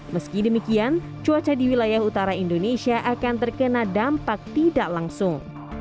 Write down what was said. meski demikian cuaca di wilayah utara indonesia akan terkena dampak tidak langsung